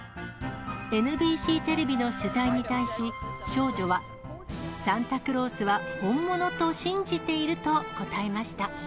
ＮＢＣテレビの取材に対し、少女は、サンタクロースは本物と信じていると答えました。